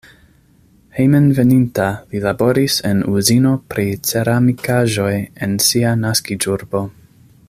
Hejmenveninta li laboris en uzino pri ceramikaĵoj en sia naskiĝurbo.